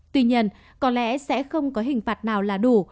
tuy nhiên có lẽ sẽ không có hình phạt nào là đủ